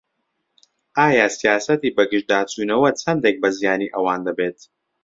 ئایا سیاسەتی بەگژداچوونەوە چەندێک بە زیانی ئەوان دەبێت؟